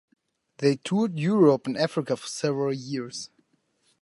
They toured Europe and Africa for several years.